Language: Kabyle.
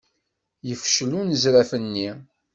Yefcel unezraf-nni.